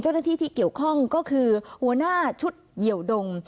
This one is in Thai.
เจ้าหน้าที่ที่เกี่ยวข้องก็คือหัวหน้าชุดเหยียวดง